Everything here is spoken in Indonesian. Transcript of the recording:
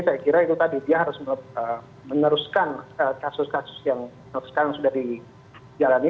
saya kira itu tadi dia harus meneruskan kasus kasus yang sekarang sudah dijalani